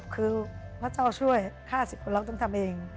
คือพระเจ้าช่วย๕๐คนเราต้องทำเอง